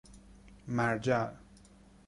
مرجع